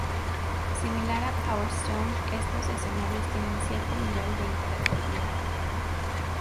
Similar a Power Stone, estos escenarios tienen cierto nivel de interactividad.